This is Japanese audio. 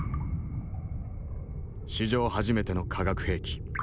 史上初めての化学兵器。